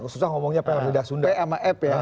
susah ngomongnya pmaf ya